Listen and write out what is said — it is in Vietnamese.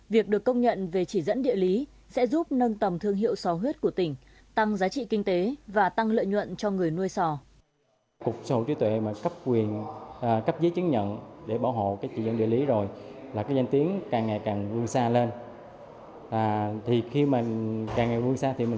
việc được công nhận về chỉ dẫn địa lý sở hữu trí tuệ đã cấp dây chứng nhận đăng ký chỉ dẫn địa lý cho sản phẩm sò huyết âu loan